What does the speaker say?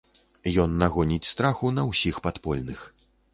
Ён нагоніць страху на ўсіх падпольных.